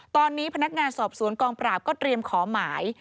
ตอนนี้พนักงานสอบสวนกองปราบก็เตรียมขอหมาย